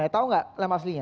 tau gak nama aslinya